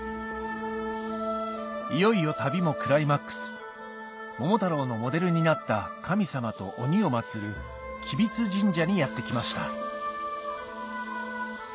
いよいよ旅もクライマックス桃太郎のモデルになった神様と鬼を祭る吉備津神社にやって来ました